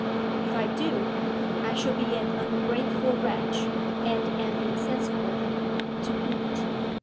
'If I do, I shall be an ungrateful wretch and an insensible one, to boot.'